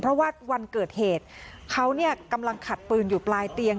เพราะว่าวันเกิดเหตุเขาเนี่ยกำลังขัดปืนอยู่ปลายเตียง